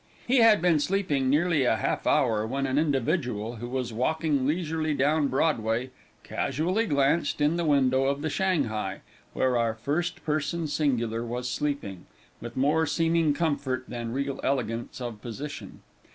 He had been sleeping nearly a half hour, when an individual, who was walking leisurely down Broadway, casually glanced in the window of the Shanghae, where our first person singular was sleeping, with more seeming comfort than real elegance of position.